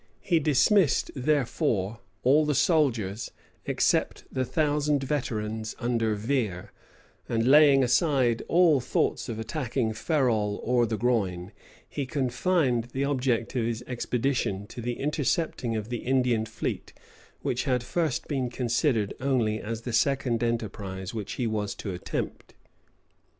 He dismissed, therefore, all the soldiers, except the thousand veterans under Vere; and laying aside all thoughts of attacking Ferrol or the Groine, he confined the object of his expedition to the intercepting of the Indian fleet which had at first been considered only as the second enterprise which he was to attempt.